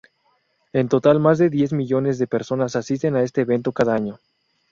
En total, más de diez millones de personas asisten a este evento cada año.